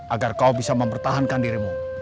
agar kau bisa mempertahankan dirimu